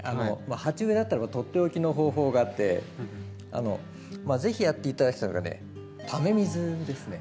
鉢植えだったらば取って置きの方法があって是非やって頂きたいのがねため水ですね。